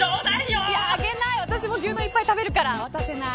私もいっぱい牛丼食べるから渡さない。